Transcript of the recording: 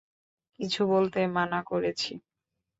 কিছু বলতে মানা করেছি।